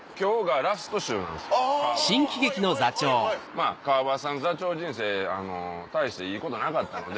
まぁ川畑さんの座長人生大していいことなかったので。